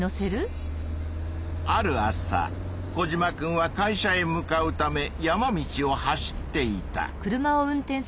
ある朝コジマくんは会社へ向かうため山道を走っていた。